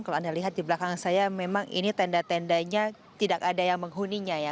kalau anda lihat di belakang saya memang ini tenda tendanya tidak ada yang menghuninya ya